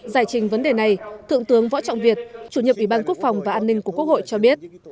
giải trình vấn đề này thượng tướng võ trọng việt chủ nhiệm ủy ban quốc phòng và an ninh của quốc hội cho biết